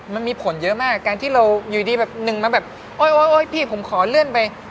มันมีผลเยอะมากการที่เราอยู่ดีแบบหนึ่งมาแบบโอ๊ยพี่ผมขอเลื่อนไป